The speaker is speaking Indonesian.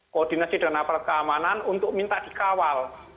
koordinasi dengan aparat keamanan untuk minta dikawal